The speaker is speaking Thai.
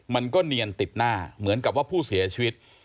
มันก็เนียนติดหน้าเหมือนกับว่าผู้เสียชีวิต